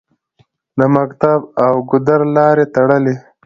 د مکتب او د ګودر لارې تړلې